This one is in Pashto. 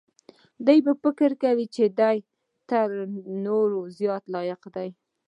دی فکر کوي چې دی تر نورو زیات لایق دی.